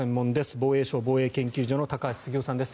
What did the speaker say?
防衛省防衛研究所の高橋杉雄さんです。